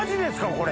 これ。